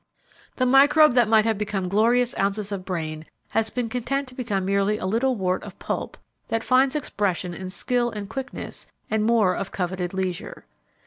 The microbe that might have become glorious ounces of brain has been content to become merely a little wart of pulp which finds expression in skill and quickness and more of coveted leisure.